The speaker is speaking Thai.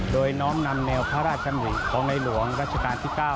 โดยน้อมนำแนวพระราชดำริของในหลวงรัชกาลที่๙